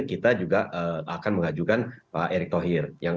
kita juga akan mengajukan pak erick thohir